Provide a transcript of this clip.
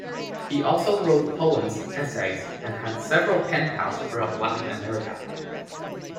He also wrote poems, essays, and had several pen-pals throughout Latin America.